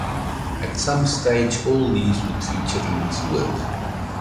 At some stage all these would feature in his work.